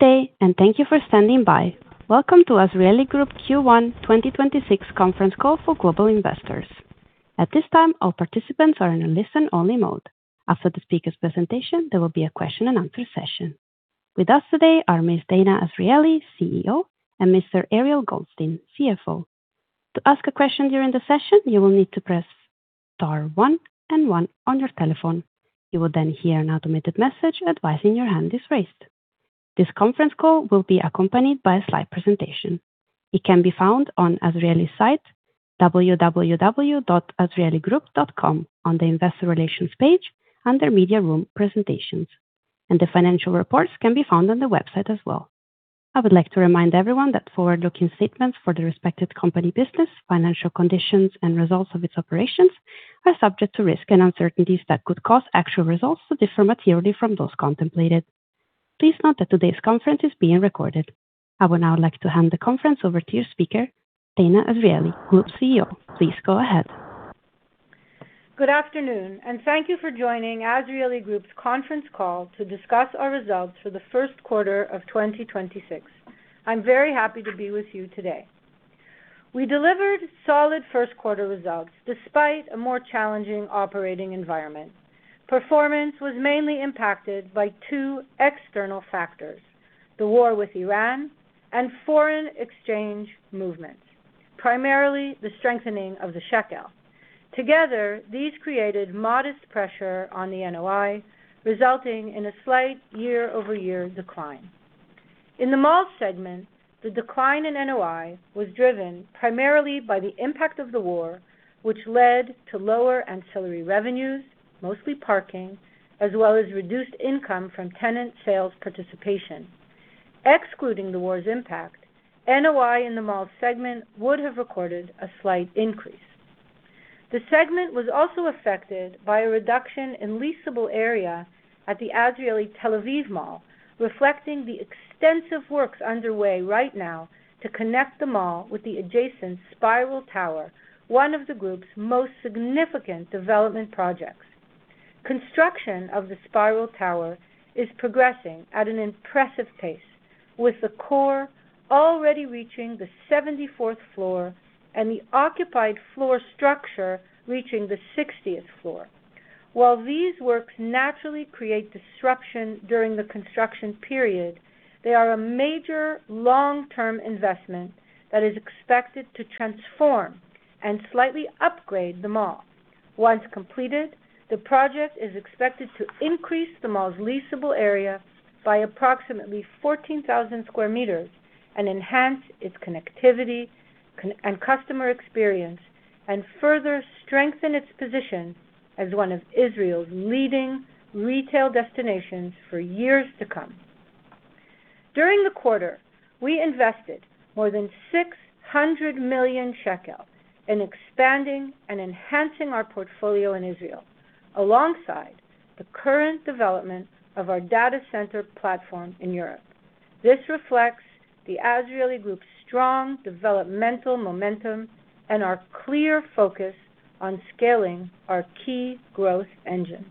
Good day. Thank you for standing by. Welcome to Azrieli Group Q1 2026 conference call for global investors. At this time, all participants are in a listen-only mode. After the speaker's presentation, there will be a question and answer session. With us today are Ms. Danna Azrieli, CEO, and Mr. Ariel Goldstein, CFO. To ask a question during the session, you wiill need to press star one and one on your telephone. You will then hear an automated message advising your hand is raised. This conference call will be accompanied by a slide presentation. It can be found on Azrieli's site, www.azrieliGroup.com, on the Investor Relations page under Media Room Presentations, and the financial reports can be found on the website as well. I would like to remind everyone that forward-looking statements for the respected company business, financial conditions, and results of its operations are subject to risk and uncertainties that could cause actual results to differ materially from those contemplated. Please note that today's conference is being recorded. I would now like to hand the conference over to your speaker, Danna Azrieli, Group CEO. Please go ahead. Good afternoon, and thank you for joining Azrieli Group's conference call to discuss our results for the first quarter of 2026. I am very happy to be with you today. We delivered solid first quarter results despite a more challenging operating environment. Performance was mainly impacted by two external factors, the war with Iran and foreign exchange movements, primarily the strengthening of the shekel. Together, these created modest pressure on the NOI, resulting in a slight year-over-year decline. In the malls segment, the decline in NOI was driven primarily by the impact of the war, which led to lower ancillary revenues, mostly parking, as well as reduced income from tenant sales participation. Excluding the war's impact, NOI in the malls segment would have recorded a slight increase. The segment was also affected by a reduction in leasable area at the Azrieli Tel Aviv Mall, reflecting the extensive works underway right now to connect the mall with the adjacent Spiral Tower, one of the Group's most significant development projects. Construction of the Spiral Tower is progressing at an impressive pace, with the core already reaching the 74th floor and the occupied floor structure reaching the 60th floor. While these works naturally create disruption during the construction period, they are a major long-term investment that is expected to transform and slightly upgrade the mall. Once completed, the project is expected to increase the mall's leasable area by approximately 14,000 sq m and enhance its connectivity and customer experience and further strengthen its position as one of Israel's leading retail destinations for years to come. During the quarter, we invested more than 600 million shekel in expanding and enhancing our portfolio in Israel, alongside the current development of our data center platform in Europe. This reflects the Azrieli Group's strong developmental momentum and our clear focus on scaling our key growth engines.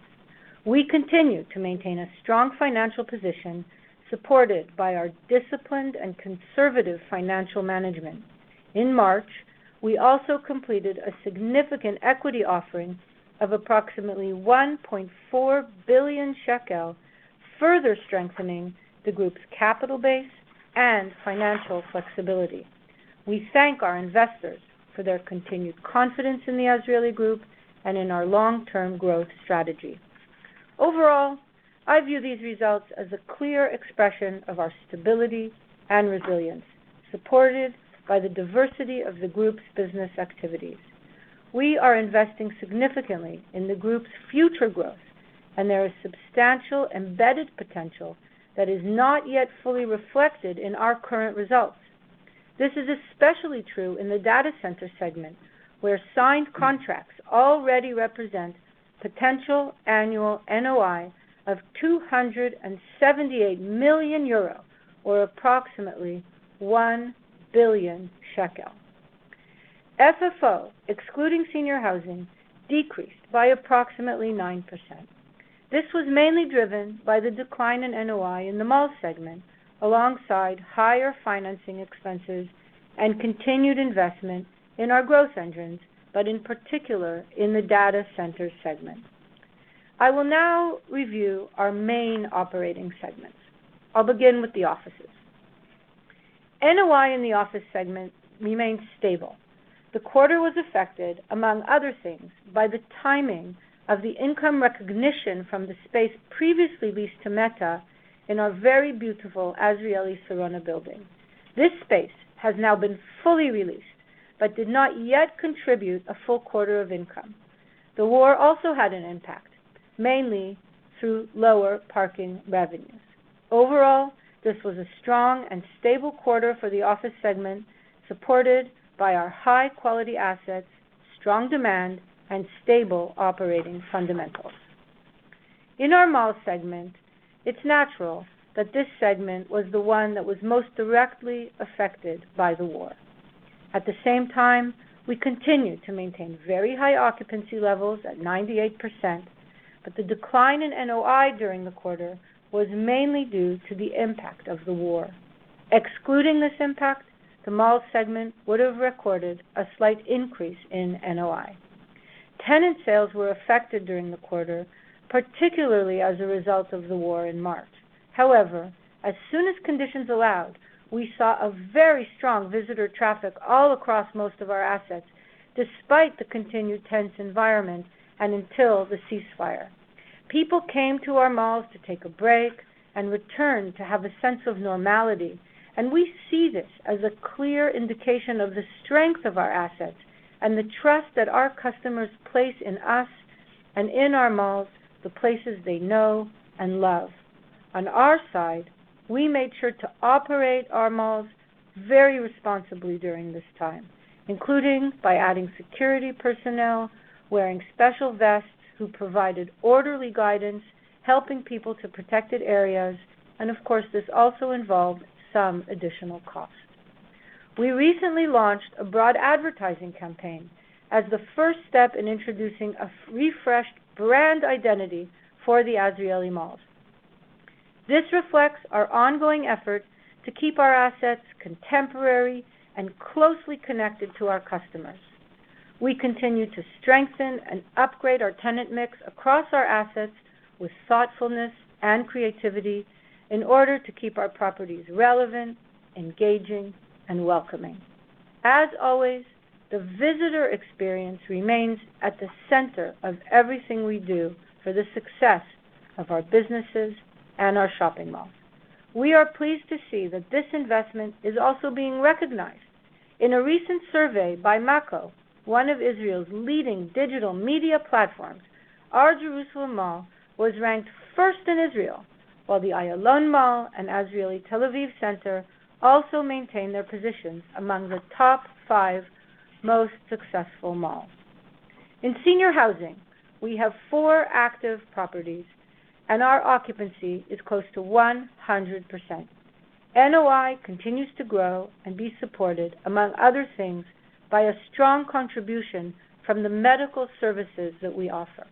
We continue to maintain a strong financial position, supported by our disciplined and conservative financial management. In March, we also completed a significant equity offering of approximately 1.4 billion shekel, further strengthening the Group's capital base and financial flexibility. We thank our investors for their continued confidence in the Azrieli Group and in our long-term growth strategy. Overall, I view these results as a clear expression of our stability and resilience, supported by the diversity of the Group's business activities. We are investing significantly in the Group's future growth, and there is substantial embedded potential that is not yet fully reflected in our current results. This is especially true in the data center segment, where signed contracts already represent potential annual NOI of 278 million euro, or approximately 1 billion shekel. FFO, excluding senior housing, decreased by approximately 9%. This was mainly driven by the decline in NOI in the malls segment, alongside higher financing expenses and continued investment in our growth engines, but in particular in the data center segment. I will now review our main operating segments. I'll begin with the offices. NOI in the office segment remained stable. The quarter was affected, among other things, by the timing of the income recognition from the space previously leased to Meta in our very beautiful Azrieli Sarona building. This space has now been fully re-leased but did not yet contribute a full quarter of income. The war also had an impact, mainly through lower parking revenues. Overall, this was a strong and stable quarter for the office segment, supported by our high-quality assets, strong demand, and stable operating fundamentals. In our malls segment, it's natural that this segment was the one that was most directly affected by the war. At the same time, we continue to maintain very high occupancy levels at 98%, but the decline in NOI during the quarter was mainly due to the impact of the war. Excluding this impact, the mall segment would've recorded a slight increase in NOI. Tenant sales were affected during the quarter, particularly as a result of the war in March. As soon as conditions allowed, we saw a very strong visitor traffic all across most of our assets, despite the continued tense environment and until the ceasefire. People came to our malls to take a break and return to have a sense of normality. We see this as a clear indication of the strength of our assets and the trust that our customers place in us and in our malls, the places they know and love. On our side, we made sure to operate our malls very responsibly during this time, including by adding security personnel wearing special vests who provided orderly guidance, helping people to protected areas. Of course, this also involved some additional costs. We recently launched a broad advertising campaign as the first step in introducing a refreshed brand identity for the Azrieli malls. This reflects our ongoing effort to keep our assets contemporary and closely connected to our customers. We continue to strengthen and upgrade our tenant mix across our assets with thoughtfulness and creativity in order to keep our properties relevant, engaging, and welcoming. As always, the visitor experience remains at the center of everything we do for the success of our businesses and our shopping malls. We are pleased to see that this investment is also being recognized. In a recent survey by Mako, one of Israel's leading digital media platforms, our Jerusalem mall was ranked first in Israel while the Ayalon Mall and Azrieli Tel Aviv Center also maintained their positions among the top five most successful malls. In senior housing, we have four active properties, and our occupancy is close to 100%. NOI continues to grow and be supported, among other things, by a strong contribution from the medical services that we offer.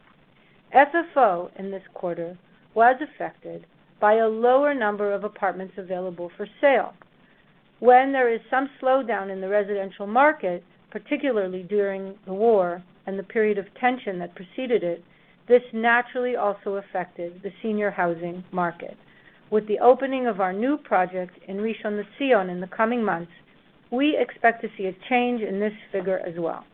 FFO in this quarter was affected by a lower number of apartments available for sale. When there is some slowdown in the residential market, particularly during the war and the period of tension that preceded it, this naturally also affected the senior housing market. With the opening of our new project in Rishon LeZion in the coming months, we expect to see a change in this figure as well.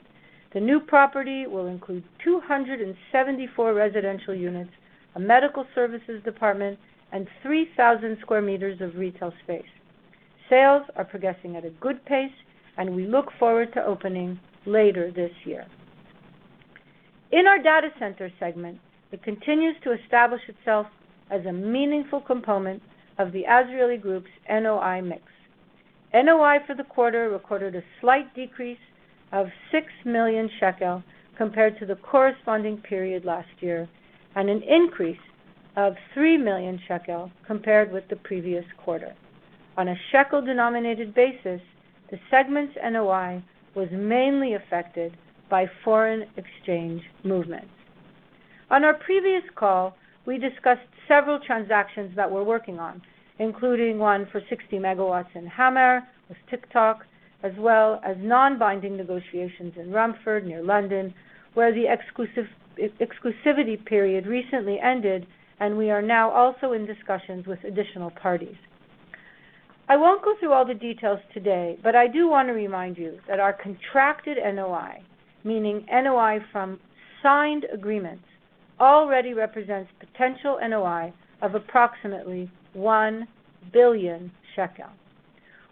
The new property will include 274 residential units, a medical services department, and 3,000 sq m of retail space. Sales are progressing at a good pace, and we look forward to opening later this year. In our data center segment, it continues to establish itself as a meaningful component of the Azrieli Group's NOI mix. NOI for the quarter recorded a slight decrease of 6 million shekel compared to the corresponding period last year, and an increase of 3 million shekel compared with the previous quarter. On a shekel-denominated basis, the segment's NOI was mainly affected by foreign exchange movements. On our previous call, we discussed several transactions that we're working on, including one for 60 MW in Hamar with TikTok, as well as non-binding negotiations in Romford near London, where the exclusivity period recently ended, and we are now also in discussions with additional parties. I will not go through all the details today, I do want to remind you that our contracted NOI, meaning NOI from signed agreements, already represents potential NOI of approximately 1 billion shekels.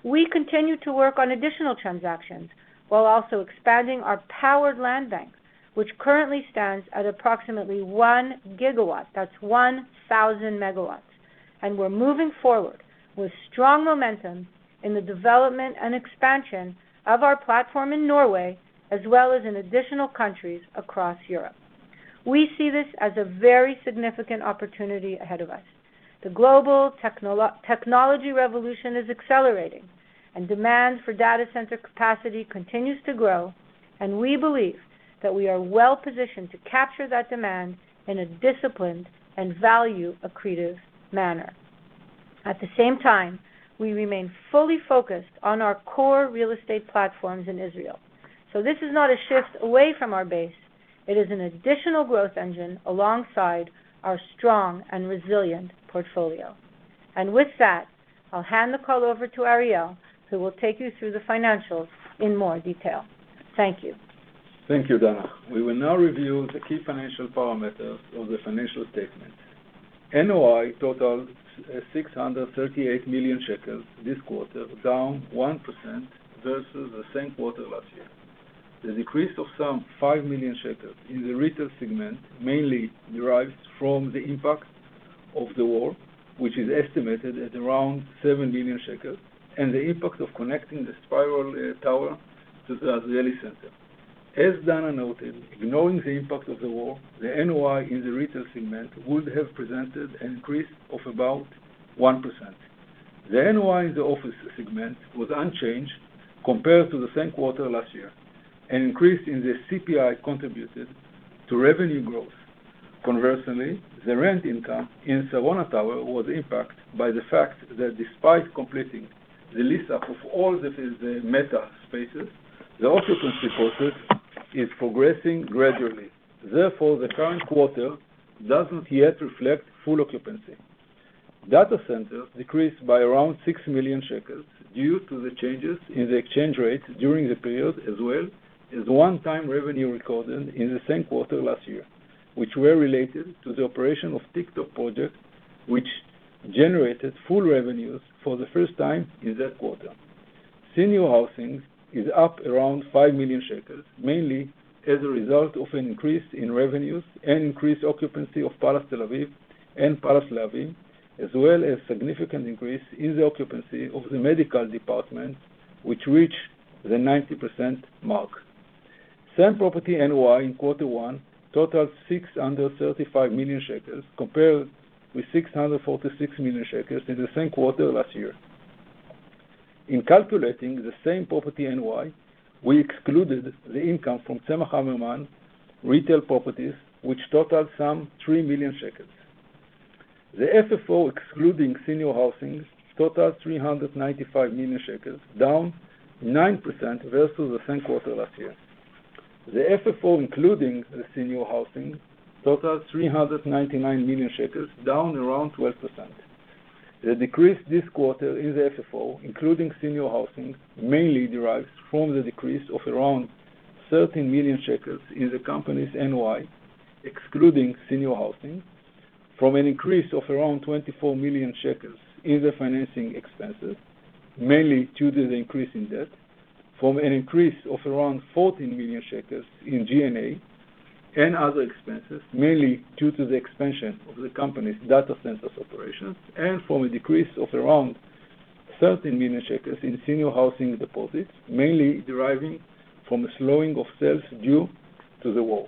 We continue to work on additional transactions while also expanding our powered land bank, which currently stands at approximately 1 GW. That's 1,000 MW. We're moving forward with strong momentum in the development and expansion of our platform in Norway, as well as in additional countries across Europe. We see this as a very significant opportunity ahead of us. The global technology revolution is accelerating, demand for data center capacity continues to grow. We believe that we are well-positioned to capture that demand in a disciplined and value-accretive manner. At the same time, we remain fully focused on our core real estate platforms in Israel. This is not a shift away from our base. It is an additional growth engine alongside our strong and resilient portfolio. With that, I'll hand the call over to Ariel, who will take you through the financials in more detail. Thank you. Thank you, Danna. We will now review the key financial parameters of the financial statement. NOI totaled 638 million shekels this quarter, down 1% versus the same quarter last year. The decrease of some 5 million shekels in the retail segment mainly derives from the impact of the war, which is estimated at around 7 million shekels, and the impact of connecting the Spiral Tower to the Azrieli Center. As Danna noted, ignoring the impact of the war, the NOI in the retail segment would have presented an increase of about 1%. The NOI in the office segment was unchanged compared to the same quarter last year. An increase in the CPI contributed to revenue growth. Conversely, the rent income in Sarona Tower was impacted by the fact that despite completing the lease-up of all the Meta spaces, the occupancy process is progressing gradually. Therefore, the current quarter doesn't yet reflect full occupancy. Data centers decreased by around 6 million shekels due to the changes in the exchange rate during the period, as well as one-time revenue recorded in the same quarter last year, which were related to the operation of TikTok project, which generated full revenues for the first time in that quarter. Senior housing is up around 5 million shekels, mainly as a result of an increase in revenues and increased occupancy of Palace Tel Aviv and Palace Lehavim, as well as significant increase in the occupancy of the medical department, which reached the 90% mark. Same property NOI in quarter one totals 635 million shekels compared with 646 million shekels in the same quarter last year. In calculating the same property NOI, we excluded the income from ZMH Hammerman retail properties, which totals some 3 million shekels. The FFO, excluding senior housing, totals 395 million shekels, down 9% versus the same quarter last year. The FFO, including the senior housing, totals 399 million shekels, down around 12%. The decrease this quarter in the FFO, including senior housing, mainly derives from the decrease of around 30 million shekels in the company's NOI, excluding senior housing, from an increase of around 24 million shekels in the financing expenses. Mainly due to the increase in debt, from an increase of around 14 million shekels in G&A and other expenses, mainly due to the expansion of the company's data centers operations, and from a decrease of around 30 million shekels in senior housing deposits, mainly deriving from a slowing of sales due to the war.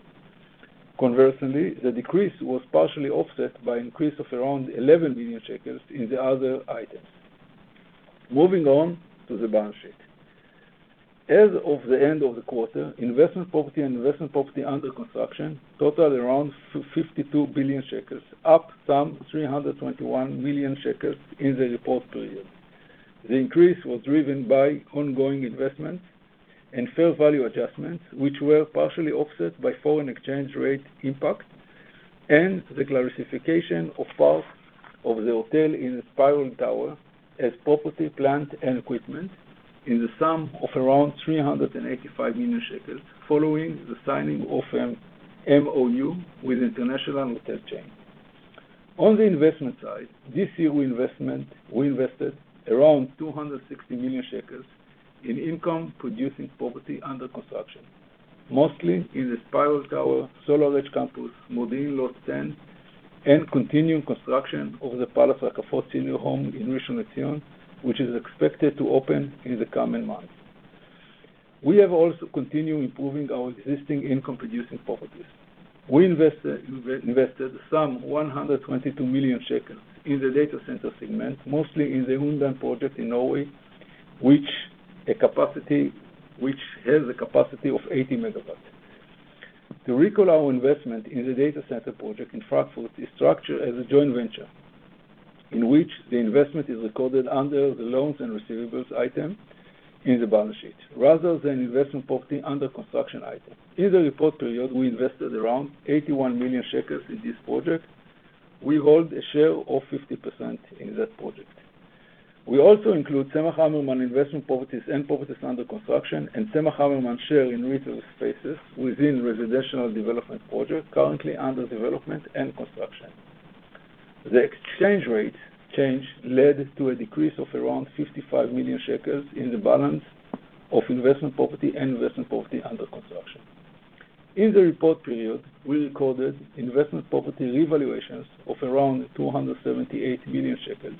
Conversely, the decrease was partially offset by increase of around 11 million shekels in the other items. Moving on to the balance sheet. As of the end of the quarter, investment property and investment property under construction totaled around 52 billion shekels, up some 321 million shekels in the report period. The increase was driven by ongoing investments and fair value adjustments, which were partially offset by foreign exchange rate impact and the classification of part of the hotel in the Spiral Tower as property, plant, and equipment in the sum of around 385 million shekels following the signing of an MOU with international hotel chain. On the investment side, this year we invested around 260 million shekels in income-producing property under construction, mostly in the Spiral Tower, SolarEdge Campus, Modi’in, Lot 10, and continuing construction of the Palace Rakafot Senior Home in Rishon LeZion, which is expected to open in the coming months. We have also continued improving our existing income-producing properties. We invested some 122 million shekels in the data center segment, mostly in the Undheim project in Norway, which has a capacity of 80 MW. To recall our investment in the data center project in Frankfurt is structured as a joint venture, in which the investment is recorded under the loans and receivables item in the balance sheet, rather than investment property under construction item. In the report period, we invested around 81 million shekels in this project. We hold a share of 50% in that project. We also include ZMH Hammerman investment properties and properties under construction, and ZMH Hammerman's share in retail spaces within residential development projects currently under development and construction. The exchange rate change led to a decrease of around 55 million shekels in the balance of investment property and investment property under construction. In the report period, we recorded investment property revaluations of around 278 million shekels,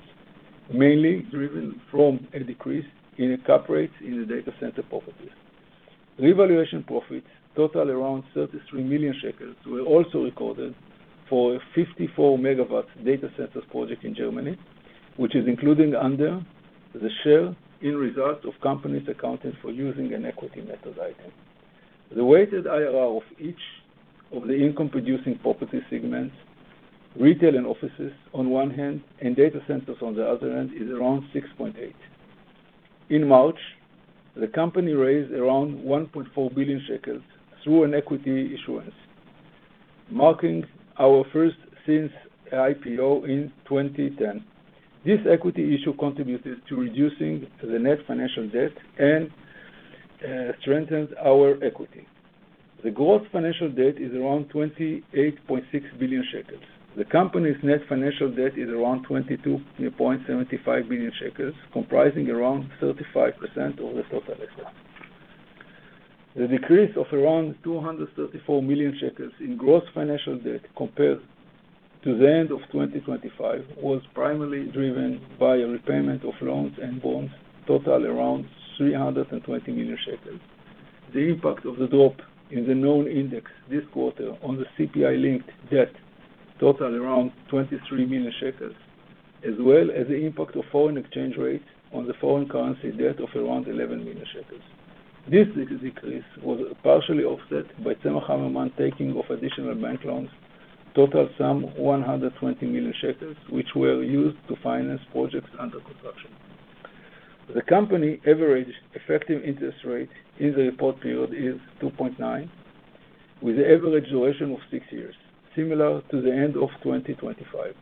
mainly driven from a decrease in cap rates in the data center properties. Revaluation profits total around 33 million shekels were also recorded for a 54 MW data centers project in Germany, which is included under the share in results of companies accounted for using an equity method item. The weighted IRR of each of the income-producing property segments, retail and offices on one hand and data centers on the other hand, is around 6.8%. In March, the company raised around 1.4 billion shekels through an equity issuance, marking our first, since IPO in 2010. This equity issue contributed to reducing the net financial debt and strengthens our equity. The gross financial debt is around 28.6 billion shekels. The company's net financial debt is around 22.75 billion shekels, comprising around 35% of the total assets. The decrease of around 234 million shekels in gross financial debt compared to the end of 2025 was primarily driven by a repayment of loans and bonds totaling around 320 million shekels. The impact of the drop in the known index this quarter on the CPI-linked debt totaled around 23 million shekels, as well as the impact of foreign exchange rate on the foreign currency debt of around 11 million shekels. This decrease was partially offset by ZMH Hammerman taking of additional bank loans, totaling some 120 million shekels, which were used to finance projects under construction. The company average effective interest rate in the report period is 2.9%, with an average duration of six years, similar to the end of 2025.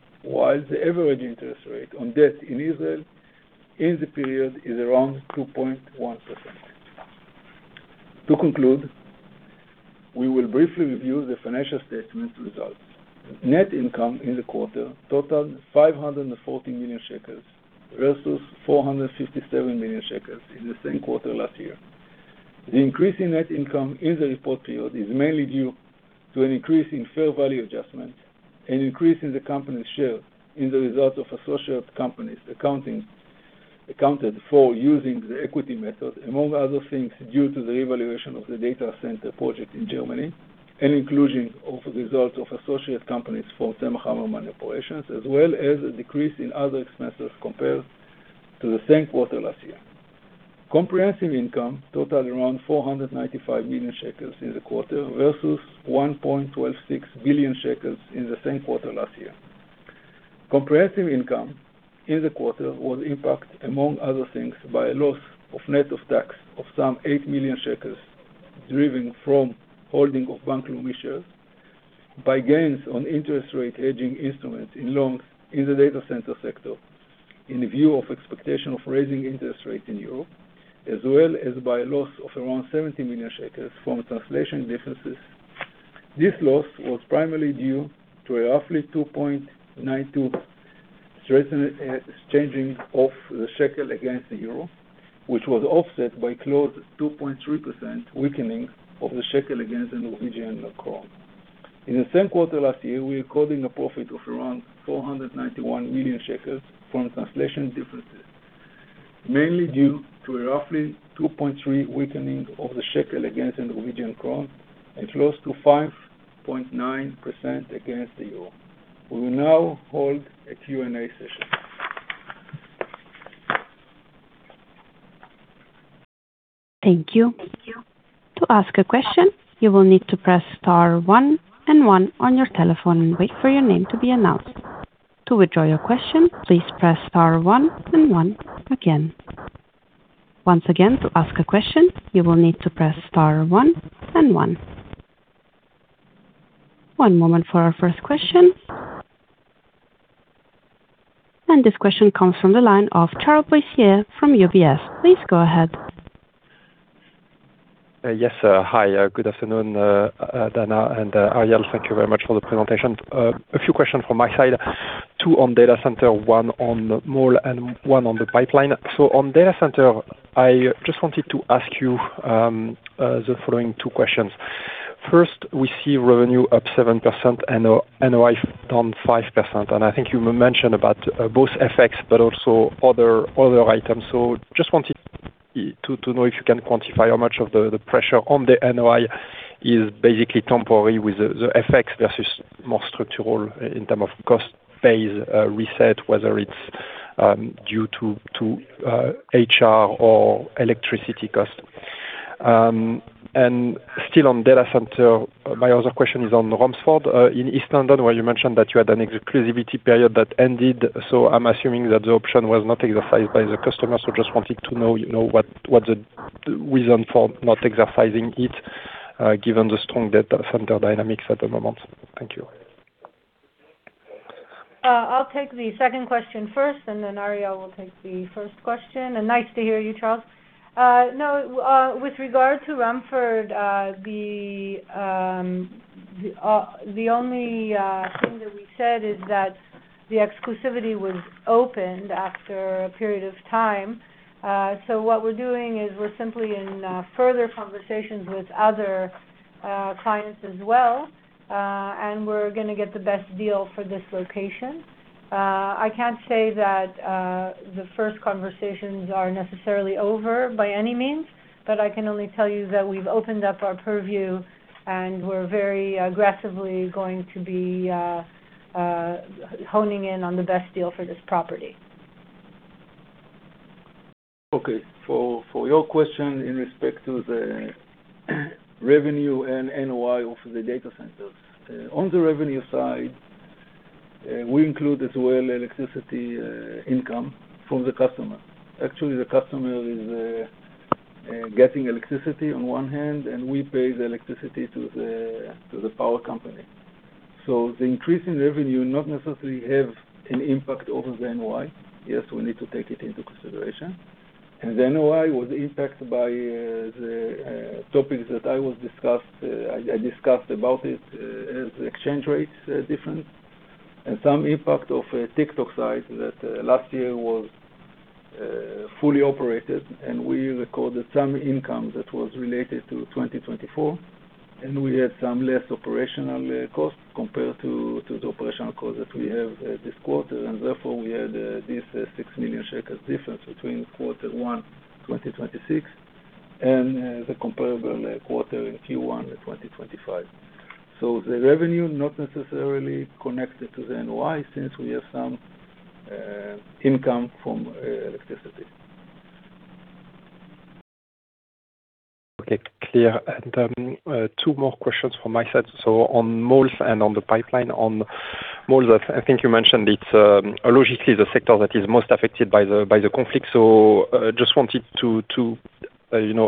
The average interest rate on debt in Israel in the period is around 2.1%. To conclude, we will briefly review the financial statement results. Net income in the quarter totaled 540 million shekels versus 457 million shekels in the same quarter last year. The increase in net income in the report period is mainly due to an increase in fair value adjustment. An increase in the company's share in the result of associate companies accounted for using the equity method, among other things, due to the revaluation of the data center project in Germany, and inclusion of results of associate companies for ZMH Hammerman operations, as well as a decrease in other expenses compared to the same quarter last year. Comprehensive income totaled around 495 million shekels in the quarter versus 1.126 billion shekels in the same quarter last year. Comprehensive income in the quarter was impacted, among other things, by a loss of net of tax of some 8 million shekels driven from holding of Bank Leumi shares by gains on interest rate hedging instruments in loans in the data center sector in view of expectation of raising interest rates in Europe, as well as by a loss of around 70 million shekels from translation differences. This loss was primarily due to a roughly 2.92% strengthening of the shekel against the euro, which was offset by close 2.3% weakening of the shekel against the Norwegian krone. In the same quarter last year, we recorded a profit of around 491 million shekels from translation differences, mainly due to a roughly 2.3% weakening of the shekel against the Norwegian krone and close to 5.9% against the euro. We will now hold a Q&A session. Thank you. To ask a question, you will need to press star one and one on your telephone and wait for your name to be announced. To withdraw your question, please press star one and one again. Once again, to ask a question, you will need to press star one and one. One moment for our first question. This question comes from the line of Charles Boissier from UBS. Please go ahead. Hi, good afternoon, Danna and Ariel. Thank you very much for the presentation. A few questions from my side, two on data center, one on mall, and one on the pipeline. On data center, I just wanted to ask you the following two questions. First, we see revenue up 7% and NOI down 5%. I think you mentioned about both effects, but also other items. Just wanted to know if you can quantify how much of the pressure on the NOI is basically temporary with the effects versus more structural in terms of cost base reset, whether it's due to HR or electricity cost? Still on data center, my other question is on Romford in East London, where you mentioned that you had an exclusivity period that ended. I'm assuming that the option was not exercised by the customer. Just wanted to know what the reason for not exercising it, given the strong data center dynamics at the moment? Thank you. I'll take the second question first, and then Ariel will take the first question. Nice to hear you, Charles. No, with regard to Romford, the only thing that we said is that the exclusivity was opened after a period of time. What we're doing is we're simply in further conversations with other clients as well, and we're going to get the best deal for this location. I can't say that the first conversations are necessarily over by any means, but I can only tell you that we've opened up our purview, and we're very aggressively going to be honing in on the best deal for this property. Okay. For your question in respect to the revenue and NOI of the data centers. On the revenue side, we include as well electricity income from the customer. Actually, the customer is getting electricity on one hand, we pay the electricity to the power company. The increase in revenue not necessarily have an impact over the NOI. Yes, we need to take it into consideration. The NOI was impacted by the topics that I discussed about it as exchange rates difference and some impact of TikTok size that last year was fully operated. We recorded some income that was related to 2024. We had some less operational costs compared to the operational cost that we have this quarter. Therefore, we had this 6 million shekels difference between quarter one 2026 and the comparable quarter in Q1 2025. The revenue, not necessarily connected to the NOI since we have some income from electricity. Okay, clear. Two more questions from my side. On malls and on the pipeline. On malls, I think you mentioned it's logically the sector that is most affected by the conflict. Just wanted to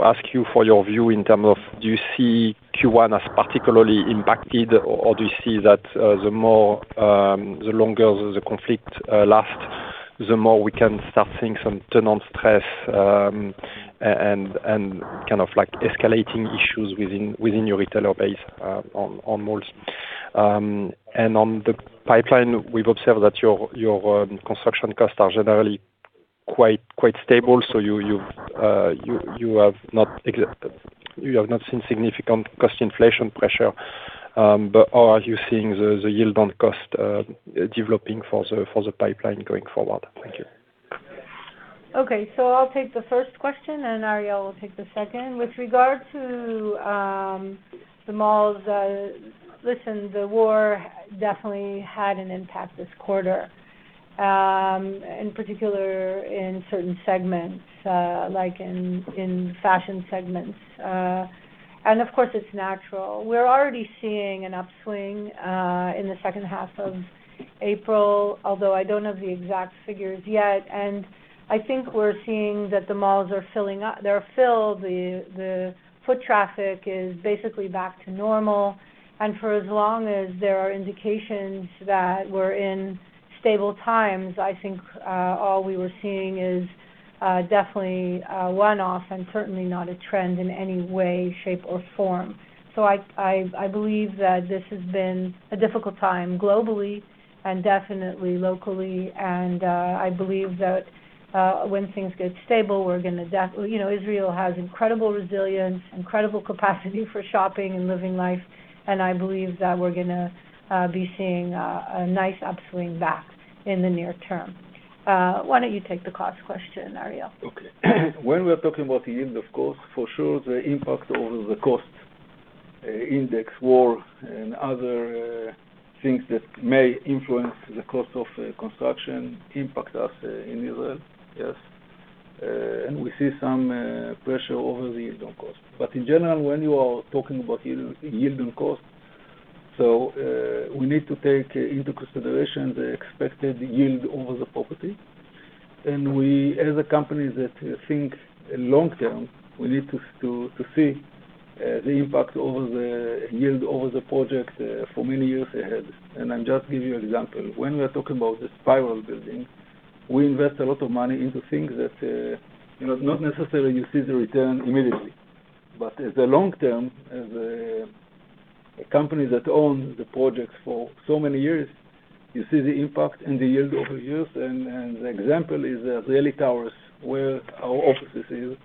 ask you for your view in term of, do you see Q1 as particularly impacted, or do you see that the longer the conflict lasts, the more we can start seeing some tenant stress, and escalating issues within your retailer base on malls? On the pipeline, we've observed that your construction costs are generally quite stable, so you have not seen significant cost inflation pressure. Are you seeing the yield on cost developing for the pipeline going forward? Thank you. Okay. I'll take the first question, and Ariel will take the second. With regard to the malls, listen, the war definitely had an impact this quarter in particular in certain segments, like in fashion segments. Of course, it's natural. We're already seeing an upswing in the second half of April, although I don't have the exact figures yet. I think we're seeing that the malls are filling up. They're filled. The foot traffic is basically back to normal. For as long as there are indications that we're in stable times, I think, all we were seeing is definitely a one-off and certainly not a trend in any way, shape, or form. I believe that this has been a difficult time globally and definitely locally. I believe that when things get stable, Israel has incredible resilience, incredible capacity for shopping and living life. I believe that we're going to be seeing a nice upswing back in the near term. Why don't you take the cost question, Ariel? Okay. When we're talking about yield, of course, for sure, the impact over the cost, index war, and other things that may influence the cost of construction impact us in Israel. Yes. We see some pressure over the yield on cost. In general, when you are talking about yield on cost, we need to take into consideration the expected yield over the property. We, as a company that thinks long-term, we need to see the impact over the yield over the project for many years ahead. I'll just give you example. When we are talking about the Spiral building, we invest a lot of money into things that, not necessarily you see the return immediately. As the long-term, as a company that own the project for so many years, you see the impact and the yield over years. The example is Azrieli Towers, where our offices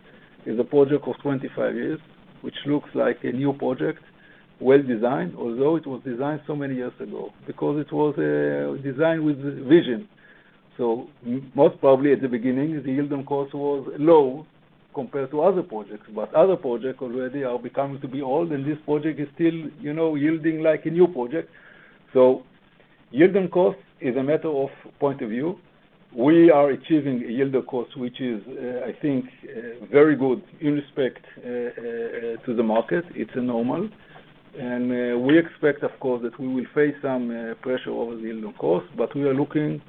is a project of 25 years, which looks like a new project. Well-designed, although it was designed so many years ago, because it was designed with vision. Most probably at the beginning, the yield on cost was low compared to other projects. Other projects already are becoming to be old, and this project is still yielding like a new project. Yield on cost is a matter of point of view. We are achieving a yield on cost, which is, I think, very good in respect to the market. It's normal. We expect, of course, that we will face some pressure over the yield on cost, but we are looking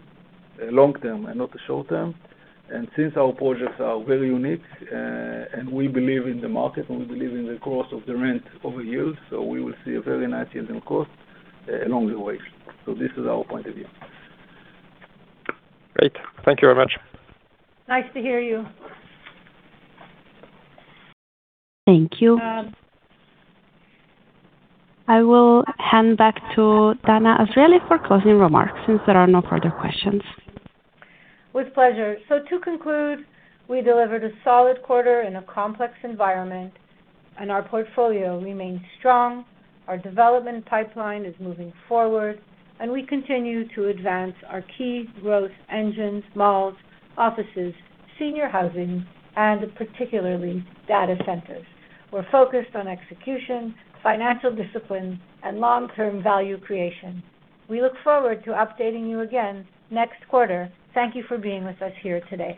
long-term and not short-term. Since our projects are very unique, and we believe in the market, and we believe in the cost of the rent over years, we will see a very nice yield on cost along the way. This is our point of view. Great. Thank you very much. Nice to hear you. Thank you. I will hand back to Danna Azrieli for closing remarks since there are no further questions. With pleasure. To conclude, we delivered a solid quarter in a complex environment, and our portfolio remains strong. Our development pipeline is moving forward, and we continue to advance our key growth engines, malls, offices, senior housing, and particularly data centers. We're focused on execution, financial discipline, and long-term value creation. We look forward to updating you again next quarter. Thank you for being with us here today.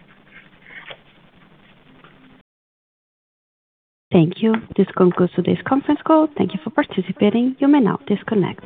Thank you. This concludes today's conference call. Thank you for participating. You may now disconnect.